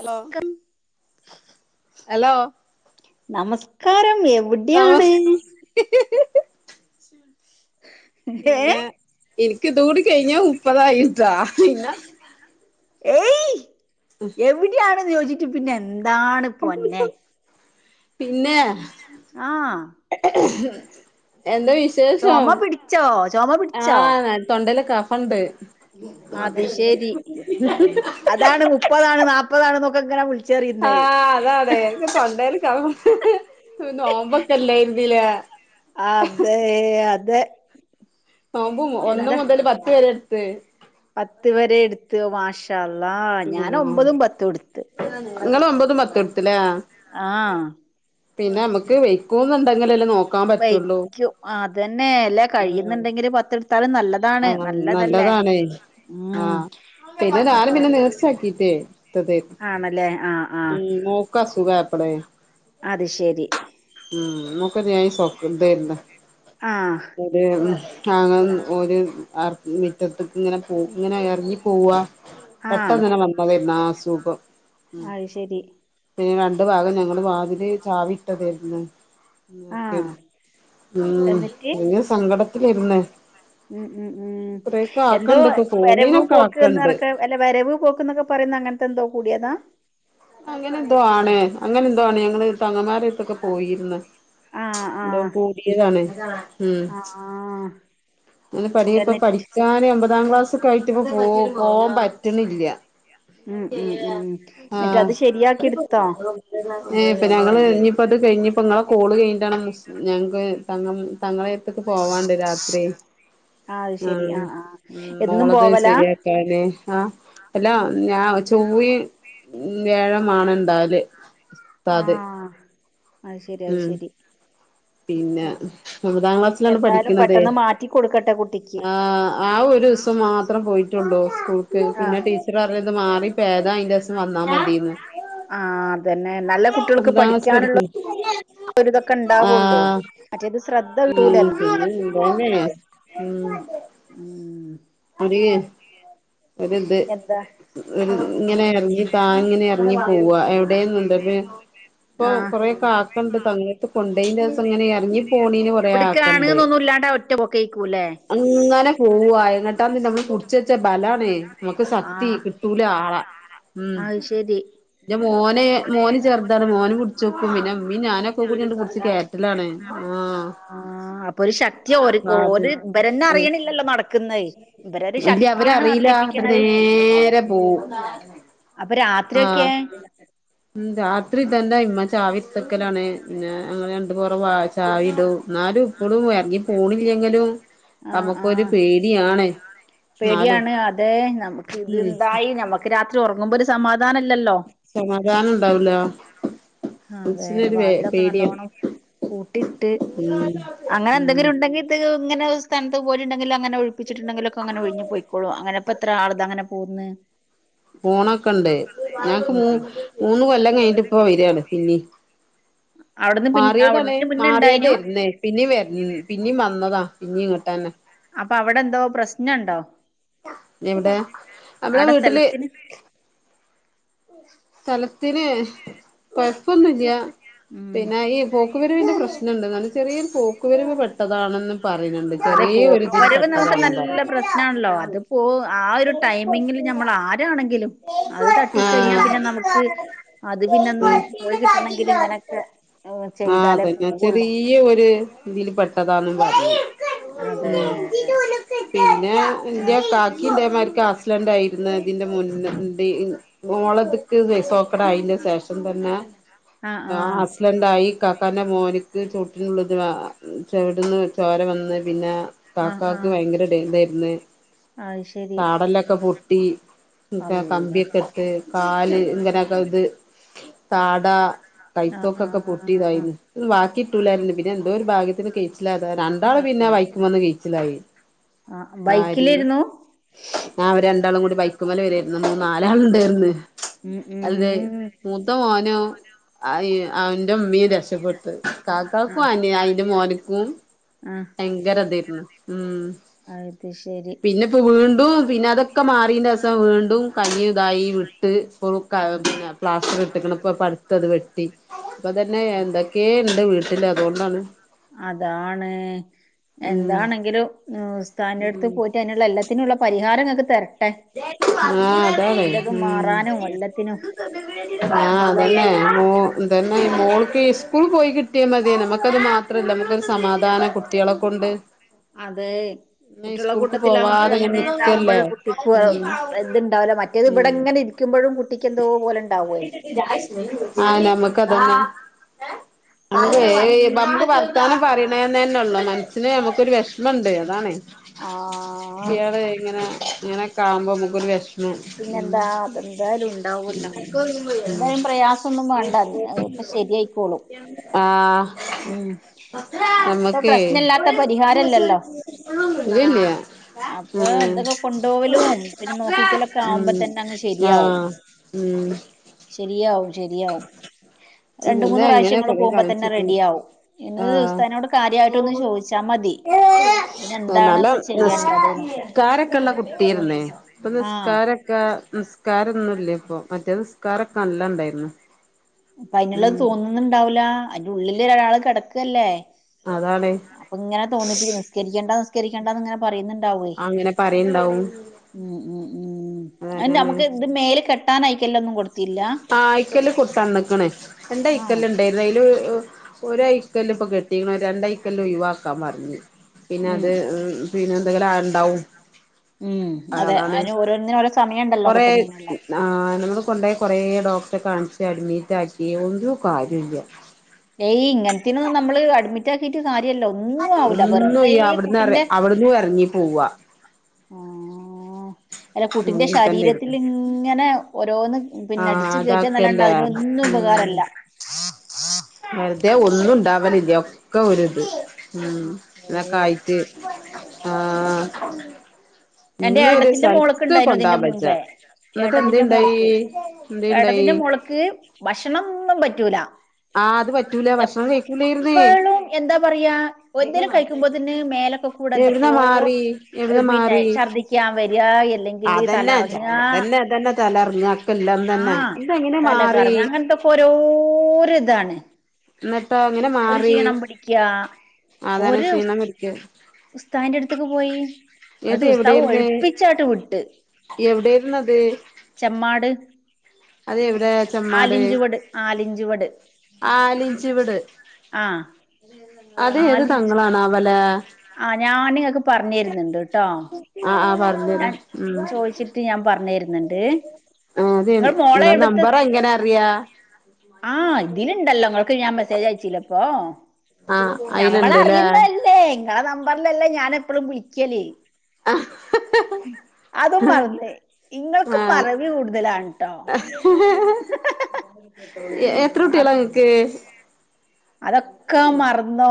Hello hello നമസ്കാരം നമ എവിടെയാണ് ഏ പിന്നെ എനിക്ക ഇത കൂടി കഴിഞ്ഞാ മുപ്പതായി ദാ ഇല്ല ഏയ് എവിടൊണ് ചോദിച്ചിട്ട് പിന്നെ എന്താണ് പൊന്നെ പിന്നെ ആഹ എന്താ വിശേഷം ചൊമ പിടിച്ചോ ചൊമ ആ പിടിച്ചോ തൊണ്ടലൊക്കെ കഫണ്ട് അത് ശെരി അതാണ് മുപ്പതാണ് നാല്പതാണ്ന്നൊക്കെ ഇങ്ങനെ വിളിച്ച ആഹ അതാാണ് എനിക്ക് പണ്ടേല ക ഒന്നും ഓമ്പൊക്കല്ല ഇരുന്നല ആ അതെ അതെ നമ്പും ഒന്നു എന്താ മുതൽ പത്ത് പരെ എടുത്ത് പക്ഷ അല്ലാ ഞൻ ഒമ്പതും പത്തും എടുത്ത് നിങ്ങെ ഒമ്പത് പത്ത് ആഹ പിന്നെ നമുക്ക് വെക്കുംന്നുണ്ടെങ്കിലല്ലോ നോക്ക വയ്ക്കും അത്ന്നെ അല്ല കഴിയുന്നുണ്ടെങ്കില് പത്തെടുത്താലും നല്ല അതാണ് ആഹ് നല്ലതല്ലേ ഉ പിന്ന ആരും പിന്നെ നേർസാക്കിട്ടേ ഇത ആണല്ലേ ആഹ് ആഹ് ഉം മോക്ക ശുഖായ അടെ അത് ശരി ഉം നമുക്ക ഞാൻോ ഇതല്ല ആഹ് അ താങ്ങ ഒരു മിറ്റത്ത ഇങ്ങനെ പോ ഇങ്ങനെ ഇറങ്ങി പോവാ പെട്ടെന്ന് തിനെ വന്നതുന്ന അ സുഖം ആഹ ശരി പിന്നെ രണ്ടു ഭാഗം ഞങ്ങള് വാതില് ചാവിട്ടതേര്ന്ന്. ആഹ് എന്നിട്ട് [unintelligible] സങ്കടത്തിലേര്ന്ന് ഉം ഉം ഉം കൊറേക്കെ എന്തോ ആക്കണ്ട് ഇപ്പൊ വരവു ഫോണീനൊക്കെ പോക്ക...... ആക്കണ്ട് [unintelligible] [unintelligible] അങ്ങനെന്തോ ആാണ് അങ്ങനെ എന്തോാണ് ഞങ്ങള് തങ്ങമാരത്തൊക്കെ പോയിരന്ന്..... ആഹ് എന്തോ ആഹ് കൂടിയതാണ് ഉം..... ആഹ് ഓന് പഠി ഇപ്പ എന്നിട്ട് പഠിക്കാന് എമ്പതാം ക്ലാസ് ഒക്കെ ആയിട്ട് ഇപ്പ പോ പോവാൻ പറ്റണില്യ. ഉം ഉം ഉം എന്നിട്ട് അത് ശരിയാക്കി എടുത്തോ [unintelligible] ഏ ഇപ്പൊ ഞങ്ങൾ ഇപ്പോ അത് കഴിഞ്ഞപ്പോ നിങ്ങളെ കോള് കഴിഞ്ഞിട്ടാണംഞങ്ങക്ക്! ! ! ! ! ! ! ! ! ! ക്ക് പോവാണ്ട് രാത്രി. ആഹ് അത് ശരി ആം ആഹ് ആഹ് എന്നും മോളത് പോവലാ ശരിയാക്കാന് ആ! [unintelligible] അഹ് ശെരി അഹ് ശെരി. പിന്നെ ഒമ്പതാം ക്ലാസ്സിലാണ് പഠിക്ക് എന്തായാലും ണത് പെട്ടെന്ന് മാറ്റി കൊടുക്കട്ടെ കുട്ടിക്ക് ആ ഒരു ദിവസം മാത്രം പോയിട്ടൊള്ളൂ സ്കൂൾക്ക് പിന്നെ ആഹ് ടീച്ചർ അത് ത് മാറി പേദആയീന്റെസം വന്നാൽ മതിന്ന്. ആ അതന്നെ നല്ല കുട്ടികൾക്ക് ഒമ്പതാം ക്ലാസ് പഠിക്കാനുള്ള പഠിക്കും ഒരുതൊക്കെ ണ്ടാ [unintelligible] [inaudible] [unintelligible] എന്താ ഇങ്ങനെ ഇറങ്ങി താ ഇങ്ങനെ ഇറങ്ങി പോവാ എവിടെന്നുണ്ട്പ്പെ ഞാ ഇപ്പൊ ആഹ് കൊറേൊക്കെ ആക്കണ്ട്! ! ! ! ! ! ! ! ! ! കൊണ്ടേയന്റെസം ഇങ്ങനെ ഇറങ്ങി പോണീന് കൊറെേ ആക്കണ്ട്. എവിടക്കാണ്ന്നൊന്നും [unintelligible] പോവ എങ്ങോട്ടാന്നച്ച നമ്മള് പുടിചെച്ച ബലാണ് നമുക്ക് ശക്തി ആഹ് കിട്ടൂല ആളെ. ഉം അത് ശരി ന്റെമോനെ മോന് ചെർതാണ് മോനും പുടുചോക്കും പിന്നെ മ്മി ഞാനൊക്കെ കൂടണ്ട് പുടിച് കേറ്റലാണ്. ആ ആഹ് ആ അപ്പൊ ഒരു ശക്തി അത് [unintelligible] ഇവരെന്നെ അറിയണില്ലല്ലോ നടക്കുന്നയ്. [unintelligible] അറീല ന്നട്ട് നേരെ പോവും അപ്പൊ ആഹ രാത്രിയൊക്കെ ഉം രാത്രി ഇതെന്നെ ഇമ്മ ചാവി ഇട് ത്തക്കലാണ് പിന്നെ ഞങ്ങൾ രണ്ടു പോറം വാ ചാവി ഇടും. ന്നാലും ഇപ്പൊളും ഇറങ്ങി പോണില്ലെങ്കിലും ആഹ് നമുക്കൊരു ആഹ് പേടിയാണ്. എന്നാലും പേടിയാണ് അതെ നമുക്ക് ഉം ഇതെന്തായി നമുക്ക് [unintelligible] ഉറങ്ങുമ്പോ ഒരു സമാധാനം ഇല്ലല്ലോ. ധാനം ഉണ്ടാവൂല. ആ അതെ മനസ്സിനൊരു വേ വാതിലൊക്കെ പേടിയാ നല്ലവോണം പൂട്ടിട്ട് ഉം അങ്ങനെ ഉം എന്തെങ്കിലും ഉണ്ടെങ്കിത് ഇങ്ങനെ! [inaudible] പോണൊക്കെ ഇണ്ട് ഞങ്ങക്ക് ഉം മൂ മൂന്ന് കൊല്ലം കഴിഞ്ഞിട്ട്പ്പോ വരാണ് പിന്നീം. അവിടുന്ന് പിൻ മാറിയതാണേ അവിടുന്ന് മുന്നെ ഇണ്ടായിനു മാറിയതരുന്നേ പിന്ന വര പിന്നീ വന്നതാ. പിന്നീ ഇങ്ങോട്ടന്നെ. അപ്പൊ അവിടെ എന്തോ പ്രശ്നണ്ടോ? എവിടെ നമ്മളെ അവിടെ വീട്ടില് സ്ഥലത്തിന് സ്ഥലത്തിന് കൊഴപ്പൊന്നുംല്യ ഉം പിന്നെ ഈ പോ പോൂക്കുവരുവിന്റെ പ്രശ്നംണ്ട് എന്നൽ ചെറിയരു പോക്കുുവരുവ് പട്ടാണെന്നും അതെ പോക്ക് വരവ് നമുക്ക് നല്ല പ്രശ്നാണല്ലോ അത് പോ ആ ഒരു ടൈമിങ്ങിൽ നമ്മൾ ആരാണെങ്കിലും അത് തട്ടി കഴിഞ്ഞാ പിന്നെ [unintelligible] ആ നമുക്ക് അത് പിന്നൊന്നും പോയി കിട്ടണെങ്കിൽ ഇങ്ങനൊക്കെ ചെയ്താലേ പോവുള്ളൂ [unintelligible] [inaudible] ഒരു ഇതിൽ പെട്ടതാണ് അതേ ആഹ് [unintelligible] ക്ലാസ്സിലാണ്ട് ആയിരുന്ന അതിന്റെ മ മോള..... ദിവസോക്കട അയിന് ശേഷം തന്നെ.... ആഹ് ആക്സിഡൻണ്ടായി കാക്കാന്റെ മോനിക്ക് തൊ [unintelligible] ചെവിടുന്ന് ചോര വന്ന് പിന്നെ ആഹ് കാക്കാക്ക് ആഹ് ഭയങ്കര ഡേ ഇതാ ന്ന് അത് ശരി താടല്ലോക്കെ പൊട്ടി ഇക്ക അള്ളാ കമ്പിയൊക്കെ ഇട്ട് കാൽ ഇങ്ങനെയക്കെ ഇത് താടാ ആഹ് കൈത്തോക്കൊക്കെ പൊട്ടി ആഹ് ഇതായിന്ന് ബാക്കിയിട്ടൂലായിരുന്നു പിന്നെ എന്തോ ഒരു ഭാഗ്യത്തിന് കയ്ച്ച് ഇല്ലതാ രണ്ടാള് പിന്നെ വബൈ ക്കുമേന്ന് ആഹ് വീച്ചലായി ഭാര്യയും ബൈക്കിലേരുന്നു ആ അവര് രണ്ടാളും കൂടി ബൈക്കുമേല് വരായിരുന്നു മൂ നാലാളുണ്ടായിരുന്ന് ഉം അൽദേ ഉം മൂത്ത മോനും അവന്റെ ഉമ്മിയും രക്ഷപ്പെട്ട് കാക്കാക്കും ആഹ് അനി അയിന്റെ മനി ക്കും ആഹ് ഭയങ്കര ഇതായിരുന്നു ഉം അത് ശരി ഇടും പിന്നെ അതൊക്കെ മാറീന്റസാ വീണ്ടും കൈ ഇതായി വിട്ട് [unintelligible] ഒരു കൈ പിന്നെ പ്ലാസ്റ്റർ ഇട്ടക്കണ് ഇപ്പം പടുത്തത് വെട്ടി അപ്പൊ തന്നെ എന്തൊക്കെയേ ഇണ്ട് വീട്ടില് അതുകൊണ്ടാണ് അതാണ് ഉം എന്താണെങ്കിലും മ്മ് ഉസ്‌താന്റടുത്ത് ഉം പോയിട്ട് അയിനുള്ള എല്ലാത്തിനുള്ള പരിഹാരം ഇങ്ങക്ക് [unintelligible] ആ അതാണ് കുട്ടിന്റെത് ഉം മാറാനും എല്ലത്തിനും ആ എന്ത്പ്പാ അതന്നെ മോ തന്നെ മോൾക്ക് ഇസ്കൂൾ പോയി കി ട്ടിയാ മതിയാനു മക്കക്ക് മാത്രല്ല നമുക്കൊരു സമാധാന കുട്ടികളെകൊണ്ട് അതേ കുട്ടികള കൂട്ടത്തിലാവുമ്പഴ്‌ പോവാതെ അങ്ങനെ ഇങ്ങനെ നിക്കല്ലേ ഉണ്ടാവുമ്പഴും കു [unintelligible] ഇപ്പൊ ഉം ഇതുണ്ടാവല്ല മറ്റേത് ഇവിടെ ഉം ഇങ്ങനെ ഇരിക്കുമ്പോഴും കുട്ടിക്ക് എന്തോ പോലെ ഉണ്ടാവുവേ ആ നമ്മുക്ക് അതന്നെ എന്തായാലും അതേയ് പത്ത് വർത്താനം പറയണതന്നന്നെ ഉള്ളൂ മനസ്സിന് നമുക്കൊരു വെഷമുണ്ട് അതാണേ ആഹ് ഇയാള് ഇങ്ങനെ ഇങ്ങനക്കെ ആവുമ്പോ നമുക്കൊരു വെഷ് പിന്നെന്താ അതെന്തായാലും ഉൻ ണ്ടാവുല്ല ഉം എന്തായും പ്രയാസൊന്നും വേണ്ട അതൊക്കെ ശരിയായിക്കോളും ആഹ് ഉം അതിപ്പൊ നമ്മക്കേ പ്രശ്ന ഇല്ലാത്ത പരിഹാര ഇല്ലല്ലോ ഇല്ലില്ല ഉം അപ്പൊ ഇതൊക്കെ കൊണ്ടുപോവലും പിന്നെ നോക്കിക്കലൊ ഉം ക്കാവുമ്പോ തന്നെ അങ്ങ് ശരിയാവും ആഹ് ഉം ശരിയാവും ശരിയാവും ച്ച് രണ്ട് ഇതിന്നെ മൂന്ന് പ്രാവശ്യം എങ്ങനാ ഇങ്ങള് കൊറേ പോകുമ്പോ തന്നെ കാണിച്ചിക്കുന്നു റെഡിയാവും ആ ഇനി ഉസ്താദിനോട് കാര്യായിട്ടൊന്ന് ചോദിച്ചാ മതി പിന്നെ എന്താണ് നല്ല ഇപ്പൊ നിസ് ചെയ്യേണ്ടത് എന്നൊക്കെ കാരക്കൊള്ള കുട്ടിയരുന്നേ അപ്പൊ ആഹ് നിസ്കാര ക്കാ നിസ്കാരൊന്നും ഇല്ല്യ ഇപ്പൊ മറ്റേ നിസ്കാരൊക്കെ നല്ല ഉണ്ടായിരുന്നു അപ്പൊ അയിനുള്ളത് തോന്നുന്നുണ്ടാവൂലാ അതിന്റെ ഉള്ളിൽ ഒരാള് കെടക്കല്ലേ അതാണേ അപ്പൊ ഇങ്ങനെ തോന്നിപ്പിക്കും നിസ്കരിക്കണ്ട നിസ്കരിക്കണ്ടാന്ന് ഇങ്ങനെ പറയുന്നുണ്ടാവുവേ അങ്ങനെ പറയണ്ടാവും പറയുന്നുണ്ടാവും ഉം ഉം ഉം അതിന്റെ അതന്നെയാണ് നമുക്ക് ഇത് മേല് കെട്ടാൻ അയിക്കല്ലോന്ന് കൊടു ആ യിക്കല്ല് കൊ തന്നെക്കണേ എന്റെ ആഹ് അയിക്കല് ഉണ്ടേയിർന്നു [unintelligible] അയില് ഒരയിക്കല് ഇപ്പൊ കെട്ടിക്കണ് രണ്ട് ഐക്കല് ഒഴിവാക്കാൻ പറഞ്ഞ് പിന്നെ അത് ഉം പിന്നെ എന്തെങ്കിലും ആൾ ഉണ്ടാവും ഉം ആ അതെ അതാണ് അതിന് ഓരോന്നിനും ഓരോ സമയണ്ടല്ലോ കൊറേ കിട്ടുന്നതിനുള്ള ആ നമ്മള് കൊണ്ടോയ കൊറേ ഡോക്ടറെ കാണിച്ച് അഡ്മിറ്റ് ആക്കി ഒരു കാര്യോ ഇല്ല ഏയ് ഇങ്ങനത്തേന് നമ്മള് അഡ്മിറ്റാക്കിയിട്ട് കാര്യ - രില്ലോ ഒന്നും ആവൂല ഒന്നും വെറുതെ ഈ കു അവിടുന്ന് എറ ട്ടിന്റെ അവിടന്നും എറങ്ങി പോവാ ആ അല്ല കുട്ടിന്റെ അങ്ങനെ ശരീരത്തിൽ തന്നെയായിരുന്നു ഇങ്ങനെ ഓരോന്ന് പിന്നെ ആഹ് അടിച്ചു കയറ്റാന്നല്ലാണ്ട് അതാക്കല്ലേ അതിനൊന്നും ഉം ഉപകാരല്ല വെറുതെ ഒന്നും ഉണ്ടാവലില്ല്യ ഒക്കെ ഒരിത് ഉം അതൊക്കെ ഏഹ് ആയിട്ട് ആഹ് എന്റെ ഇങ്ങ് ഒരു ഏട്ടത്തിന്റെ മോൾക്ക് സ്ഥലത്ത് ഇണ്ടായിനു ഇതിന്റെ കൊണ്ടോവാം പച്ച മുൻപേ എന്നിട്ട് എന്ത് ഏട്ടത്തിന്റെ ഇണ്ടായി മോൾക്ക് എന്ത് ഇണ്ടായി ഏട്ടത്തിന്റെ മോൾക്ക് ആഹ് അത് പറ്റൂല ഭക്ഷണം കഴിക്കൂലായിരുന്നേ എപ്പളും എന്താ പറയാ ഒന്തേലും കഴിക്കുമ്പോതന്നെ മേ മേലൊക്കെ കൂടെ എവിടുന്നാ എന്തൊക്കോ മാറി എവിടുന്നാ പിന്നെ മാറി ഛർദ്ദിക്കാൻ വരാ ഇല്ലെങ്കില് അതന്നെ തലറങ്ങാ അതന്നെ അതന്നെ തലറങ്ങ അക്കെല്ലാം തന്നെ ആഹ ഇതെങ്ങനെ മാറി തലകറങ്ങ അങ്ങനത്തെൊക്കെ ഓരോരിതാണ്. എന്നിട്ടോ അങ്ങനെ ഒരു മാറി ക്ഷീണം പിടിക്ക അതാണ് ഒരു ക്ഷീണം പിടിക്ക ഉസ്താവിന്റെ അടുത്തേക്ക് പോയി എന്നിട്ട് ഉസ്താാവ് ഒഴിപ്പിച്ചാട്ട് വിട്ട് എവിടൊയിുന്ന അത് ചെമ്മാട് അത് എവി ആലിഞ്ചുവട് ആലിഞ്ചുവട്. ! ! ! ! ! ! ! ! ആഹ് ! ! ആഹ ഞാാനങ്ങക്കെ പറഞ്ഞു തരുന്നുണ്ട് കേട്ടോ ആഹ് ആഹ് പറഞ്ഞരും ഞാൻ ഉം ചോദിച്ചിട്ട് ഞാൻ പറ ആഹ് അത് നിങ്ങളെ നമ്പർ എങ്ങനെ അറിയാ [unintelligible] ആഹ് ഇതിലുണ്ടല്ലോങ്ങക്ക് ഞാൻ മെസ്സേജ് അയച്ചില്ല ഇപ്പൊ ആഹ് നമ്മൾ അയിലുണ്ട്ല്ലേ അറിയുന്നതല്ലേ നിങ്ങള നമ്പറിലല്ലേ ഞൻ എപ്പഴും വിളിക്കലേ അതും മറന്നേ നിങ്ങൾക്കും മറവി് കൂടുതലാണ് [unintelligible] അപ്പൊ എത്രൂട്ടിളങ്ങക്ക് അതൊക്കെ മറന്നോ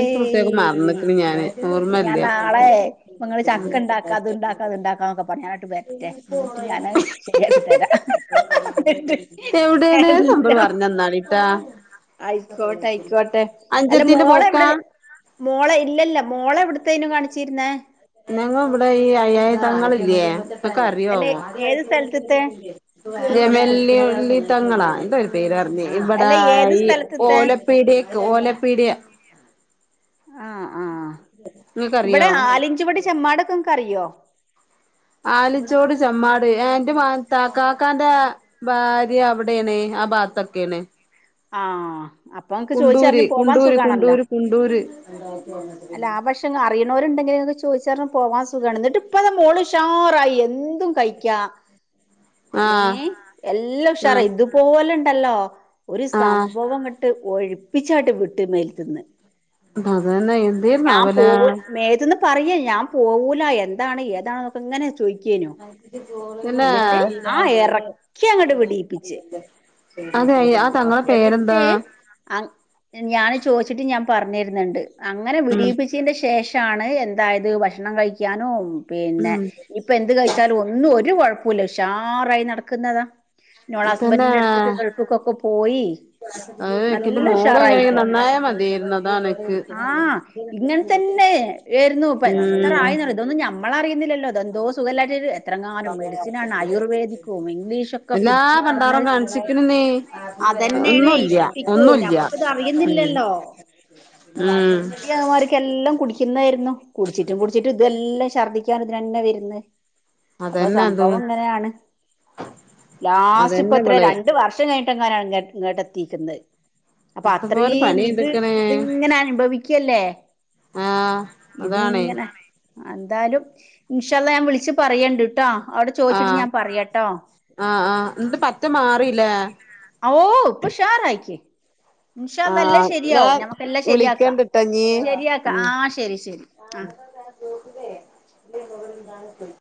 എത്ര കുട്ടിയാക്ക് മറന്ന്ക്ക്ണ് ഞാന് ഓർമ്മല്ല [unintelligible] തെവിടെേന്ന നമ്പർ എല്ലാം പറഞ്ഞ തന്നാളീട്ടാ ആയിക്കോട്ടെ ആയിക്കോട്ടെ അല്ല മോള വിടെ മോക്കാ മോളെ ഇല്ലല്ല മോളെ ഇവിടുത്തേനും കാണിച്ചിരുന്നേ [unintelligible] [unintelligible] പേര്റിഞ്ഞ അല്ലെ ഏത് സ്ഥലത്തത്തെ ഇവിടെ അല്ല ഏത് ഈ സ്ഥലത്തത്തെ ഓലപ്പീടിയക്ക് ഓലപ്പീടിയ ആ ആഹ ഇവിടെ നിങ്ങക്കറിയോ ആലിഞ്ചുവട് ചെമ്മാടൊക്കെങ്ങക്ക് അറിയോ? ആലിച്ചോട് ചെമ്മാട് എന്റെ താക്കാക്കാന്റെ ഭാര്യ അവിടെയണേ ആ ബാതൊക്കെണ് ആഹ് അപ്പൊ നിങ്ങക്ക് കുണ്ടൂര് ചോദിച്ചറിഞ്ഞ് പോവാൻ കുണ്ടൂര് സുഖാണല്ലോ കുണ്ടൂര് കുണ്ടൂര് അല്ല ആ പക്ഷെ അറിയണവരുണ്ടെങ്കിൽ ചോദിച്ചഞ്ഞ പോവാൻ സുഗാണ് എന്നിട്ടിപ്പത മോൾ ഉഷാറായി എന്തും കഴിക്ക ഏ ആഹ് എല്ലാ ഉഷറായി ആഹ് ഇതുപോലെ ണ്ടല്ലോ ഒരു ആഹ് സംഭവം ഇട്ട് ഒഴിപ്പിച്ചായിട്ട് വിട്ട് മേൽ തിന്ന് അതന്നെ എന്തേര്ന്നാവലെ [unintelligible] പറയ ഞാൻ പോവൂല എന്താണ് ഏതാണൊക്കെ ഇങ്ങനെ ചോയിക്കെനു. അല്ലേ എന്നിട്ട് ആ ഇറക്കി അങ്ങോട്ട് വിടീപിച്ച്. അതെ ആ തങ്ങളെ പേരെന്താ എന്നിട്ട്, ആ, ഞാൻ ചോദിച്ചിട്ട് ഞാൻ പറഞ്ഞിരുന്നുണ്ട്, അങ്ങനെ ഉം വിടീപ്പിച്ചതിന്റെ ശേഷാണ് എന്തായത് ഭക്ഷണം കഴിക്കാനും പിന്നെ ഉം ഇപ്പൊ എന്ത് കഴിച്ചാലും ഒന്നും ഒരു കുഴപ്പമില്ല ഉഷാറായി നടക്കുന്നതാ. നിങ്ങൾ ഹസ്ബന്ഡിന്റെ അടുത്തേക്ക്‌ അടുത്തുക്കൊക്കെ പോയി ഏ. എക്കിന്റെ നല്ല മോള എങ്ങനെ ഉഷാറായിപ്പോ നന്നായ മതിയായിരുന്നു. അതാണ്ക്ക്. ന്നെ. [unintelligible] ഇപ്പ. എത്രയിന്നുറിയോ. ഇതൊന്നും നമ്മളറിയുന്നില്ലല്ലോ. തെന്തോ സുഖല്ലായിട്ട് എത്രങ്ങാനും മെഡിസിനാണ് ആയുർവേദിക്കും ഇംഗ്ലീഷോക്കെ എല്ലാ കുട് ച്ച് നടന്ന് [inaudible] പണ്ടാറും അത് കാണിച്ചിക്കണ് നീ അതന്നെയാണ് ഈ ഒന്നുല്ല്യ കുട്ടിക്കു. ഒന്നുല്ല്യ ഞമ്മക്കിത് ഉം അറിയുന്നില്ലല്ലോ ഉം കുട്ടിയമാർക്കെല്ലാം കുടിക്കുന്നായിരുന്നു. കുടിച്ചിട്ടും കുടിച്ചിട്ടും ഇതെല്ലാം ഛർദ്ദിക്കാൻ ഇതിനന്നെ വരന്ന്. അപ്പൊ അതന്നെ അതും സംഭവം ഇങ്ങനാണ്. ലാസ്റ്റ് ഇപ്പ അതന്നെ എത്രെ ഇവള് രണ്ട് വർഷം കഴി [unintelligible] ഇങ്ങോട്ട ത്തീ ക്കുന്നത്. അപ്പൊ എന്തപ്പോ ഒരു അത്രീം പണി ഇത് ചെയ്തിക്കണ് ഇതിങ്ങനെ അനുഭവിക്ക ക്കല്ലേ ആ. അതാണേ. എന്തായാലും ഇൻഷാഅല്ലഹ് ഞാൻ വിളിച്ചു പറയണ്ട്ട്ടോ ആഹ ആഹ ആഹ പച്ച മാറില്ലേ ഓ ഇപ്പൊ ഉഷാറായിക്ക് ഇൻഷാ അള്ളാ ആഹ് ശരിയാവും ഞാൻ ഞമക്കെല്ലാം ശരിയാക്കാം വിളിക്കണ്ടിട്ടോ ഇഞ്ഞി ശരിയാക്ക ഉം ആഹ ശരി ശരി ആ പവരഞാണ് [unintelligible]